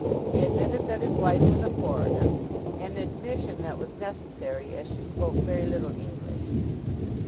He admitted that his wife was a foreigner, an admission that was necessary as she spoke very little English.